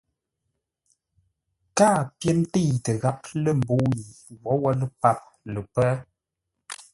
Káa pyér təitə gháp lə̂ mbə̂u yi wǒwó lə́ páp lə pə́.